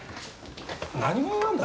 何者なんだ？